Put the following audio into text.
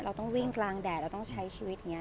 เราต้องวิ่งกลางแดดเราต้องใช้ชีวิตอย่างนี้